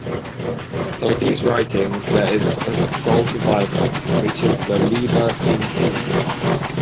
Of these writings, there is a sole survivor, which is the "Liber Linteus".